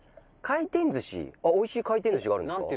おいしい回転寿司があるんですか？